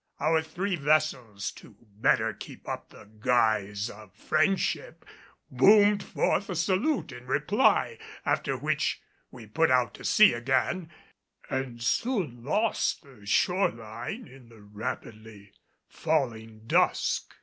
Our three vessels, to better keep up the guise of friendship, boomed forth a salute in reply, after which we put out to sea again and soon lost the shore line in the rapidly falling dusk.